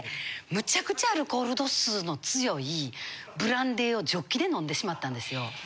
無茶苦茶アルコール度数の強いブランデーをジョッキで飲んでしまったんですよ。